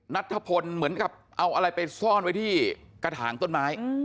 นัทธพลเหมือนกับเอาอะไรไปซ่อนไว้ที่กระถางต้นไม้